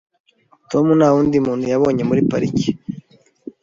Tom nta wundi muntu yabonye muri parike.